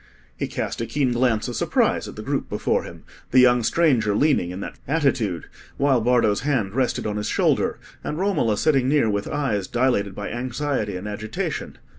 He cast a keen glance of surprise at the group before him—the young stranger leaning in that filial attitude, while Bardo's hand rested on his shoulder, and Romola sitting near with eyes dilated by anxiety and agitation.